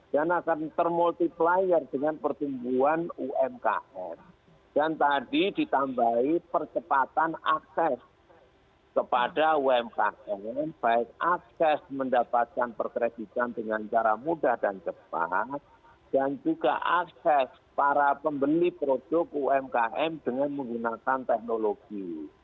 dan akan termultiplier dengan pertumbuhan umkm dan tadi ditambahi percepatan akses kepada umkm baik akses mendapatkan perkreditan dengan cara mudah dan cepat dan juga akses para pembeli produk umkm dengan menggunakan teknologi